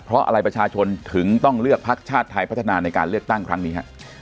เพราะอะไรประชาชนถึงต้องเลือกพักชาติไทยพัฒนาในการเลือกตั้งครั้งนี้